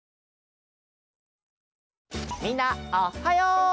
みんなおっはよう！